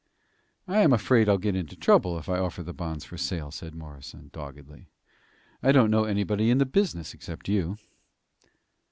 "I am afraid I'll get into trouble if I offer the bonds for sale," said Morrison, doggedly. "I don't know anybody in the business except you."